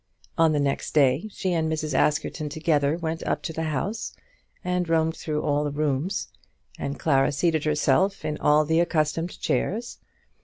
On the next day she and Mrs. Askerton together went up to the house, and roamed through all the rooms, and Clara seated herself in all the accustomed chairs.